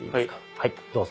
はいどうぞ。